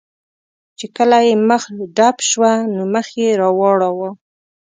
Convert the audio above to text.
چې کله یې مخه ډب شوه، نو مخ یې را واړاوه.